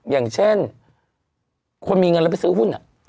อย่างเช่นคนมีเงินแล้วไปซื้อหุ้น